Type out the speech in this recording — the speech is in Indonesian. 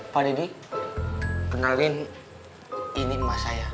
pak deddy kenalin ini mak saya